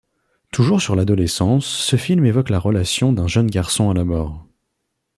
Toujours sur l'adolescence, ce film évoque la relation d'un jeune garçon à la mort.